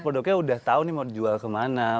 produknya sudah tahu nih mau dijual kemana